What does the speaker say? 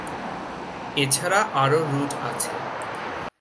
এছাড়া আরও রুট আছে।